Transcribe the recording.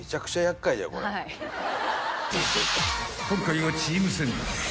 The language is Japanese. ［今回はチーム戦］